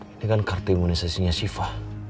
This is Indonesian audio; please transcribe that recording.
ini kan kartu imunisasinya siva